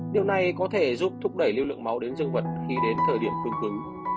điều này có thể giúp thúc đẩy liều lượng máu đến dương vật khi đến thời điểm cương cứng